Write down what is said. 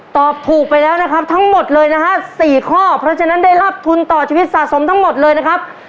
ตอบถูกไปแล้วนะครับทั้งหมดเลยนะฮะ๔ข้อเพราะฉะนั้นได้รับทุนต่อชีวิตสะสมทั้งหมดเลยนะครับ